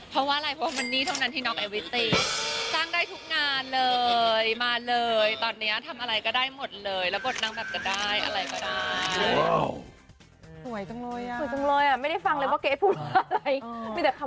เพราะว่าอะไรเพราะว่ามันนี่เท่านั้นที่น้องไอวิสตีสร้างได้ทุกงานเลยมาเลยตอนนี้ทำอะไรก็ได้หมดเลยแล้วบทนางแบบจะได้อะไรก็ได้